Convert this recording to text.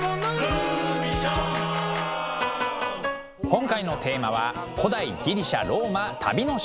今回のテーマは「古代ギリシャ・ローマ旅のしおり」。